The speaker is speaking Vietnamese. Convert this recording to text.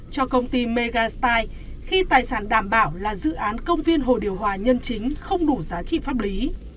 cho công ty megastile khi tài sản đảm bảo là dự án công viên hồ điều hòa nhân chính không đủ giá trị pháp lý